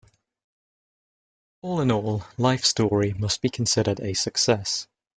All in all, "Life Story" must be considered a success.